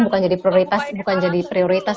bukan jadi prioritas